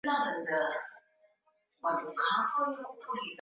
wachache dhidi ya kurudi kwa mwingine kwa eneo